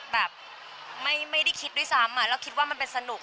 แบบไม่ได้คิดด้วยซ้ำแล้วคิดว่ามันเป็นสนุก